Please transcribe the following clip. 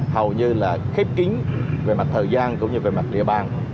hầu như là khép kín về mặt thời gian cũng như về mặt địa bàn